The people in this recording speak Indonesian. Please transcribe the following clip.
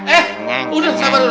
eh udah sabar dulu